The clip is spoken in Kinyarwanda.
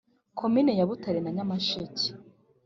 komine ya butare na nyamasheke